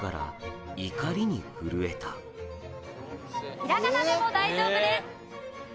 ひらがなでも大丈夫です。